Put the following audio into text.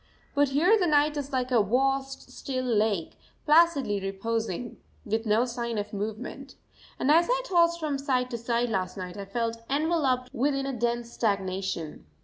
But here the night is like a vast, still lake, placidly reposing, with no sign of movement. And as I tossed from side to side last night I felt enveloped within a dense stagnation.